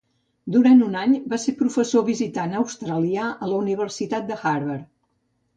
Durant un any va ser professor visitant australià a la Universitat Harvard.